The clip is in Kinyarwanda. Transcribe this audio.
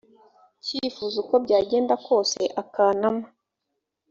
cyifuzo uko byagenda kose akanama